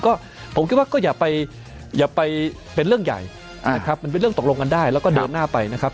ก็ผมคิดว่าก็อย่าไปอย่าไปเป็นเรื่องใหญ่นะครับมันเป็นเรื่องตกลงกันได้แล้วก็เดินหน้าไปนะครับ